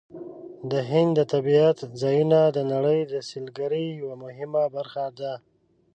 د هند د طبیعت ځایونه د نړۍ د سیلګرۍ یوه مهمه برخه ده.